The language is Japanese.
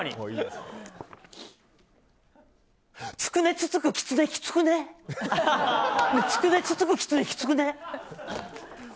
つくねつつくキツネきつくね？